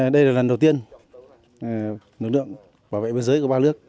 đây là lần đầu tiên lực lượng bảo vệ biên giới của ba nước